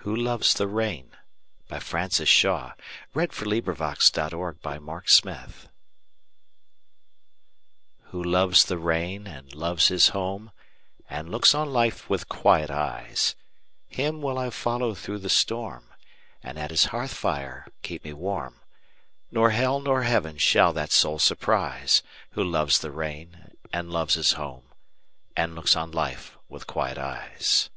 Who Loves the Rain By Frances Shaw WHO loves the rainAnd loves his home, And looks on life with quiet eyes, Him will I follow through the storm; And at his hearth fire keep me warm; Nor hell nor heaven shall that soul surprise, Who loves the rain, And loves his home, And looks on life with quiet eyes.